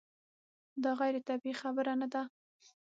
دا غیر طبیعي خبره نه ده.